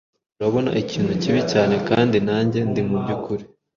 Urambona ikintu kibi cyane, kandi nanjye ndi mubyukuri.